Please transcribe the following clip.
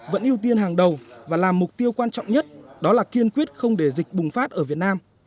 vẫn ưu tiên hàng đầu và làm mục tiêu quan trọng nhất đó là kiên quyết không để dịch bùng phát ở việt nam